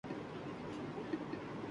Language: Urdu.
وہ جلدی سے نزدیکی غسل خانے میں گھس گئی۔